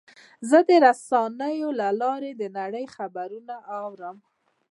زه د رسنیو له لارې د نړۍ خبرونه اورم.